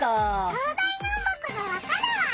東西南北がわかるわ。